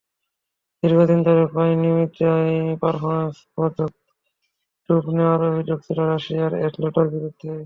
দীর্ঘদিন ধরে প্রায় নিয়মিতই পারফরম্যান্স-বর্ধক ডোপ নেওয়ার অভিযোগ ছিল রাশিয়ার অ্যাথলেটদের বিরুদ্ধে।